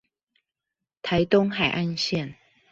臺東海岸線